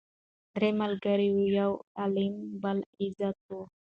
درې ملګري وه یو علم بل عزت وو